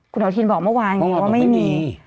คุณอนุทินบอกเมื่อวานไงว่าไม่มี